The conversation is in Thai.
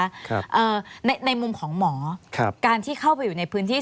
เอ่อในในมุมของหมอครับการที่เข้าไปอยู่ในพื้นที่